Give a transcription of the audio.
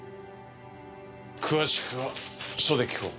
詳しくは署で聞こう。